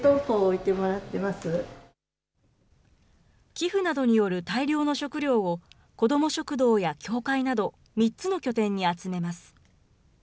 寄付などによる大量の食料を、子ども食堂や教会など３つの拠点に集めます。